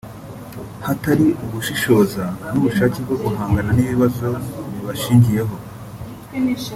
hatari ugushishoza n’ubushake bwo guhangana n’ibibazo bibashingiyeho